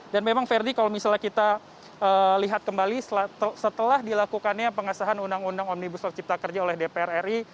dan memang verdi kalau misalnya kita lihat kembali setelah dilakukannya pengesahan undang undang omnibus law cipta kerja oleh dpr ri